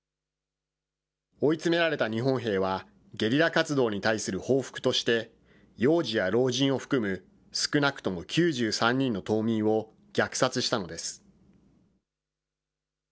追い詰められた日本兵は、ゲリラ活動に対する報復として、幼児や老人を含む少なくとも９３人の島民を虐殺したのです。